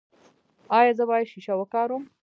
ایا زه باید شیشه وکاروم؟